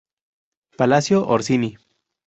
Palacio Orsini